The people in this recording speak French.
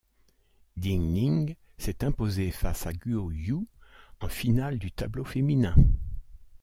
Ding Ning s'est imposée face à Guo Yue en finale du tableau féminin.